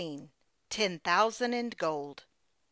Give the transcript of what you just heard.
TEN THOUSAND IN GOLD.